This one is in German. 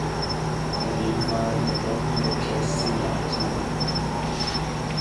Daneben war er in der Dortmunder Jazzszene aktiv.